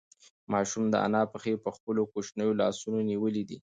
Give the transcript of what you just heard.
ماشوم د انا پښې په خپلو کوچنیو لاسونو نیولې دي.